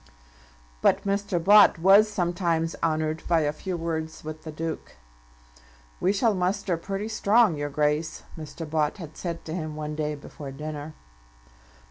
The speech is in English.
But Mr. Bott was sometimes honoured by a few words with the Duke. "We shall muster pretty strong, your Grace," Mr. Bott had said to him one day before dinner.